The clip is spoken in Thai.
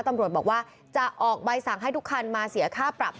ตำรวจบอกว่าจะออกใบสั่งให้ทุกคันมาเสียค่าปรับ